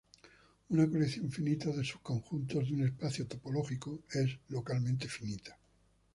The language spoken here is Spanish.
Una colección finita de subconjuntos de un espacio topológico es localmente finita.